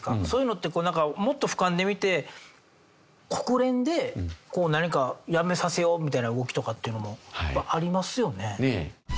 そういうのってもっと俯瞰で見て国連で何かやめさせようみたいな動きとかっていうのもありますよね。